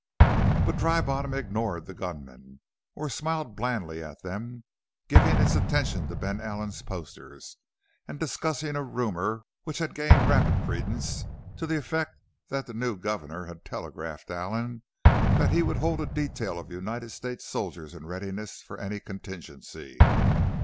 But Dry Bottom ignored the gun men, or smiled blandly at them, giving its attention to Ben Allen's posters and discussing a rumor which had gained rapid credence, to the effect that the new governor had telegraphed Allen that he would hold a detail of United States soldiers in readiness for any contingency.